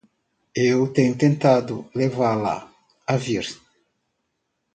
Eu tenho tentado levá-la a vir.